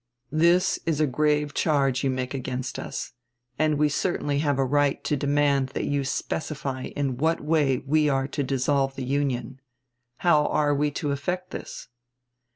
This is a grave charge you make against us, and we certainly have a right to demand that you specify in what way we are to dissolve the Union. How are we to effect this?